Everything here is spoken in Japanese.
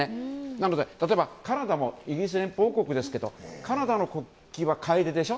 なので、例えばカナダもイギリス連邦王国ですがカナダの国旗はカエデでしょ。